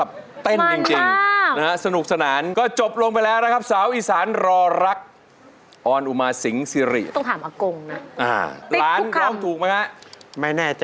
หรืออายบ่อยอยากมาแล